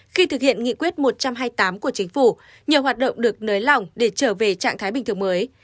khi thực hiện nghị quyết một trăm hai mươi tám của chính phủ nhiều hoạt động được nới lỏng để trở về trạng thái bình thường mới